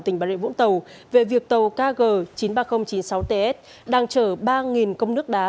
tỉnh bà rịa vũng tàu về việc tàu kg chín mươi ba nghìn chín mươi sáu ts đang chở ba công nước đá